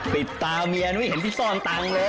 ตาเมียไม่เห็นพี่ซ่อนตังค์เลย